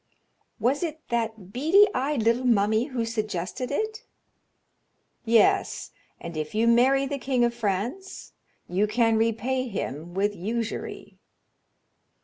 "Was it that bead eyed little mummy who suggested it?" "Yes, and if you marry the king of France you can repay him with usury."